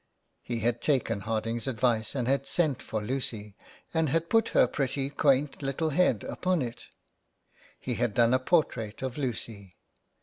He had taken Harding's advice and had sent for Lucy, and had put her pretty, quaint little head upon it. He had done a portrait of Lucy.